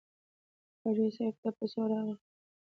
حاجي صاحب ته په څو راغلې.